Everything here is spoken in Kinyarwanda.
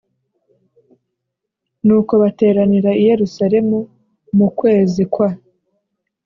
Nuko bateranira i Yerusalemu mu kwezi kwa